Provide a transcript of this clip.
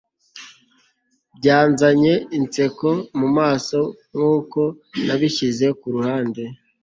byanzanye inseko mumaso nkuko nabishyize kuruhande